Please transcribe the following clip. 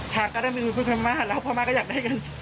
ทางก็ได้มีคุยมากแล้วพอมาก็อยากได้กัน